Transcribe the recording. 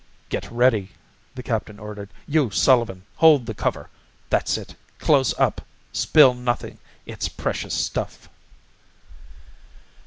"Get ready," the captain ordered. "You, Sullivan, hold the cover that's it close up. Spill nothing. It's precious stuff."